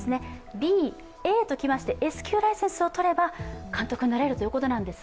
Ｂ、ＡときましてＳ級ライセンスを取れば監督になれるということです。